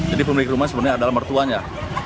jadi pemilik rumah sebenarnya adalah mertuanya